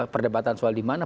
perdebatan soal di mana